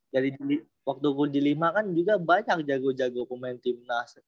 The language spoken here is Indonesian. jadi waktuku di lima kan juga banyak jago jago pemain timnas